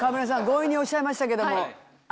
強引におっしゃいましたけども。